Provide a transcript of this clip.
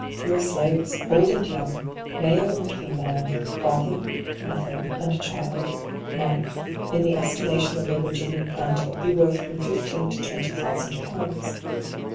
Your slaves, old and young, male and female, father, mother, and child, might, in the estimation of a Virgi nian planter, be worth from fifteen to twenty thousand pounds.